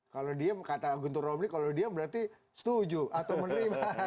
kalau diem kata guntur romli kalau diem berarti setuju atau menerima